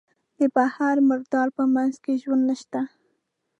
د بحر مردار په منځ کې ژوند نشته.